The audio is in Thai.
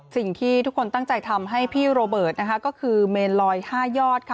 สิ่งที่ทุกคนตั้งใจทำให้พี่โรเบิร์ตนะคะก็คือเมนลอย๕ยอดค่ะ